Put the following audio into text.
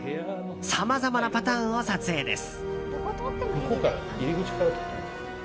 さまざまなパターンを撮影です。